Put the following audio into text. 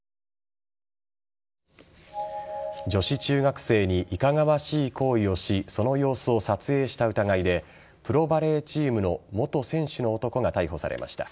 女子中学生にいかがわしい行為をしその様子を撮影した疑いでプロバレーチームの元選手の男が逮捕されました。